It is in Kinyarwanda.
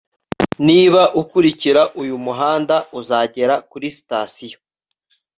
niba ukurikira uyu muhanda, uzagera kuri sitasiyo